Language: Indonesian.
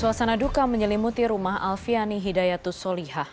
suasana duka menyelimuti rumah alfiani hidayatus solihah